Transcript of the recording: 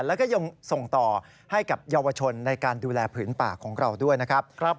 แล้วก็ยังส่งต่อให้กับเยาวชนในการดูแลผืนป่าของเราด้วยนะครับ